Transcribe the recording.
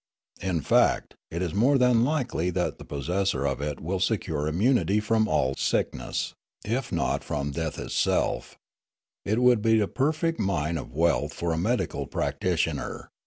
In fact, it is more than likely that the possessor of it will secure immunity from all sickness, if not from death itself It would be a perfect mine of wealth for a medical practitioner.